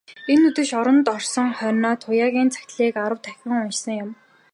Тэр үдэш оронд орсон хойноо Туяагийн захидлыг арав дахин уншсан юм.